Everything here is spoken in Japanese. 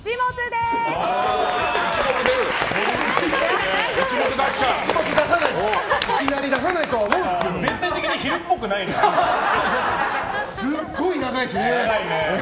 すごい長いしね。